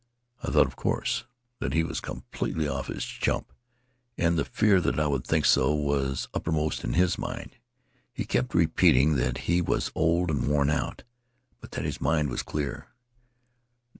"I thought, of course, that he was completely off his chump, and the fear that I would think so was upper most in his mind. He kept repeating that he was old and worn out, but that his mind was clear.